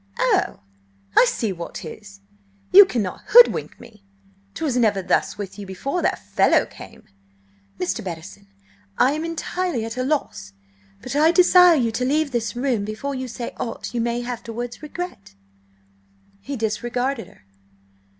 "Oh, I see what 'tis! You cannot hoodwink me. 'Twas never thus with you before that fellow came!" "Mr. Bettison, I am entirely at a loss, but I desire you to leave this room before you say aught you may afterwards regret." He disregarded her.